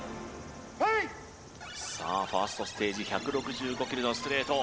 プレイさあファーストステージ１６５キロのストレート